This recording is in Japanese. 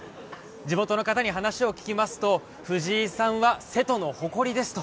地元の方に話を聞きますと藤井さんは瀬戸の誇りですと。